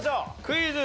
クイズ。